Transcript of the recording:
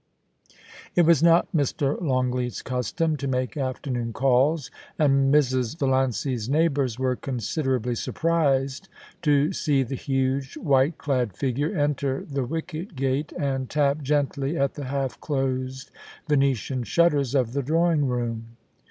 It was not Mr. Longleat's custom to make afternoon calls, and Mrs. Valiancy's neighbours were considerably surprised to see the huge white clad figure enter the wicket gate and tap gentiy at the half closed Venetian shutters of the drawing room.